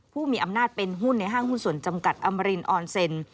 ผู้มีอำนาจเป็นหุ้นในห้างหุ้นส่วนจำกัดอมรินออนเซ็น